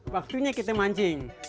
waktunya kita mancing